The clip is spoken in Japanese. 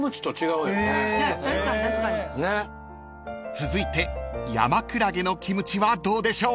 ［続いて山クラゲのキムチはどうでしょう］